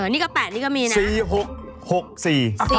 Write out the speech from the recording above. นี่ก็๘นี่ก็มีนะฮะ๔๖๖๔